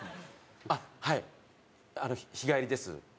「あっはい日帰りです」って。